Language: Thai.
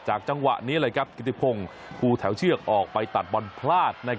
จากจังหวะนี้กระทิบพงศ์คู่แถวเชือกออกไปตัดบอลพลาด